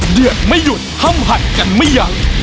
เดือดไม่หยุดห้ามหัดกันไม่ยัง